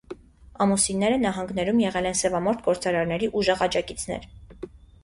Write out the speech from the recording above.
Ամուսինները նահանգներում եղել են սևամորթ գործարարների ուժեղ աջակիցներ։